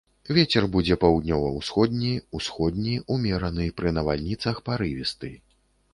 Вецер будзе паўднёва-ўсходні, усходні, умераны, пры навальніцах парывісты.